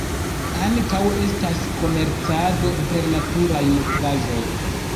Ankaŭ estas komercado per naturaj nutraĵoj.